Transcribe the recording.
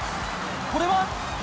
これは？